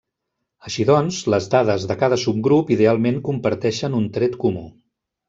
Així doncs, les dades de cada subgrup idealment comparteixen un tret comú.